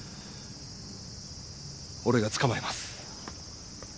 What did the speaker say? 俺が捕まえます。